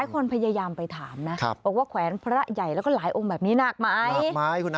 คนพยายามไปถามนะบอกว่าแขวนพระใหญ่แล้วก็หลายองค์แบบนี้หนักไหมคุณนะ